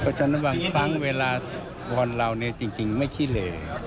เพราะฉะนั้นบางครั้งเวลาบอลเราเนี่ยจริงไม่ขี้เหล